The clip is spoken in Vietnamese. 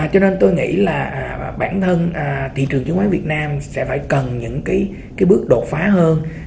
cho nên tôi nghĩ là bản thân thị trường chứng khoán việt nam sẽ phải cần những cái bước đột phá hơn